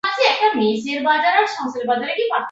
Seized by a violent rage, Anakin slaughters the entire tribe.